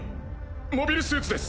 モビルスーツです。